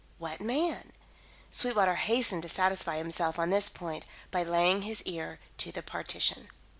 What man? Sweetwater hastened to satisfy himself on this point by laying his ear to the partition.